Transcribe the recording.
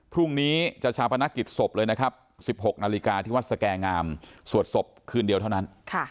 พรุ่งนี้จะชาวพนักกิจศพเลยนะครับ๑๖นาฬิกาที่วัดสแก่งามสวดศพคืนเดียวเท่านั้น